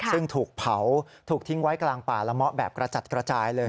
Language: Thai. ซึ่งถูกเผาถูกทิ้งไว้กลางป่าละเมาะแบบกระจัดกระจายเลย